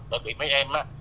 bởi vì mấy em